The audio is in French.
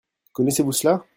Connaissez-vous cela ?